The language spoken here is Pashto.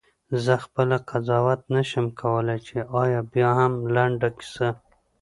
زه خپله قضاوت نه شم کولای چې آیا بیاهم لنډه کیسه.